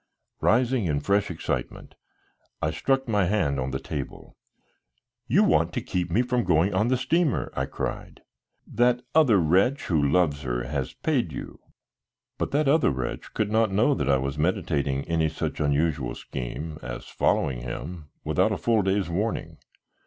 Rising in fresh excitement, I struck my hand on the table. "You want to keep me from going on the steamer," I cried. "That other wretch who loves her has paid you " But that other wretch could not know that I was meditating any such unusual scheme, as following him without a full day's warning.